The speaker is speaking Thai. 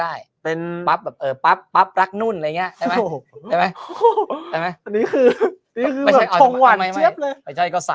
ทีศเทพวิดีโอไทยเขาใช้ข้างหลังว่าทีศเทพวิดีโอไทยเขาใช้ข้างหลังว่ารีซอร์อ่าเขาไม่ใช้ทีศเทพ